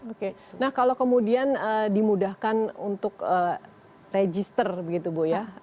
oke nah kalau kemudian dimudahkan untuk register begitu bu ya